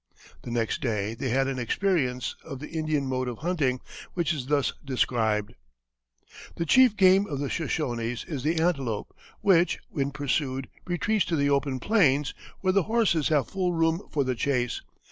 The next day they had an experience of the Indian mode of hunting, which is thus described: "The chief game of the Shoshonees is the antelope, which, when pursued, retreats to the open plains, where the horses have full room for the chase.